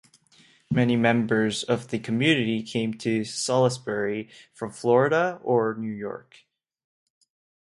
Many members of the community came to Salisbury from Florida or New York.